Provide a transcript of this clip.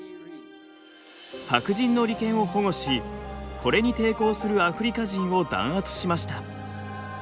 白人の利権を保護しこれに抵抗するアフリカ人を弾圧しました。